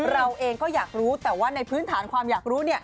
เราเองก็อยากรู้แต่ว่าในพื้นฐานความอยากรู้